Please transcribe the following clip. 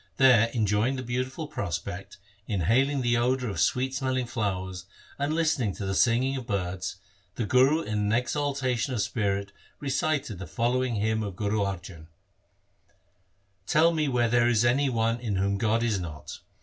There enjoying the beautiful prospect, inhaling the odour of sweet smelling flowers, and listening to the singing of birds, the Guru in an exaltation of spirit recited the following hymn of Guru Arjan :— Tell me where there is any one in whom God is not.